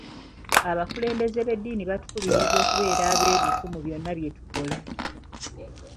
Abakulembeze b'eddiini batukubiriza okubeera abeerufu mu byonna bye tukola.